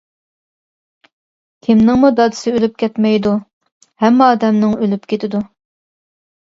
كىمنىڭمۇ دادىسى ئۆلۈپ كەتمەيدۇ؟ ھەممە ئادەمنىڭ ئۆلۈپ كېتىدۇ.